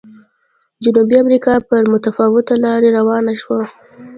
جنوبي امریکا پر متفاوته لار روانه شوه.